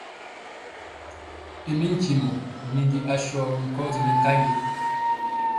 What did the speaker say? I mi ntimɔ mugi asɔgi nkɔsi mɛnkanji.